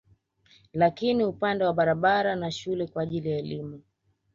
Lakini upande wa barabara na shule kwa ajili ya elimu